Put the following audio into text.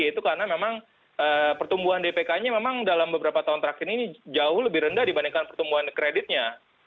itu karena memang pertumbuhan dpk nya memang dalam beberapa tahun terakhir ini jauh lebih rendah dibandingkan pertumbuhan kreditnya